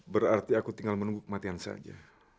berarti aku tinggal menunggu kematian saja